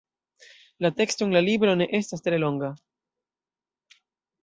La teksto en la libro ne estas tre longa.